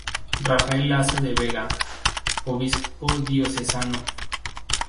Rafael Lasso de la Vega, Obispo Diocesano.